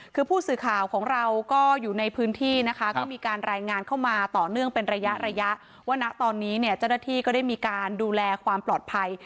คือผู้สื่อข่าวของเราก็อยู่ในพื้นที่นะคะก็มีการรายงานเข้ามาต่อเนื่องเป็นระยะระยะว่านะตอนนี้เนี่ยเจ้าหน้าที่ก็ได้มีการดูแลความปลอดภัย